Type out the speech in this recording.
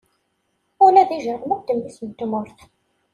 Ula d ijiṛmeḍ d mmis n tmurt.